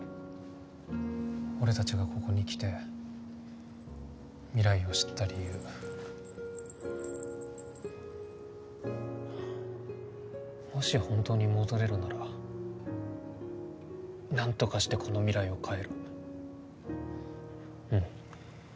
俺達がここに来て未来を知った理由もし本当に戻れるなら何とかしてこの未来を変えるうん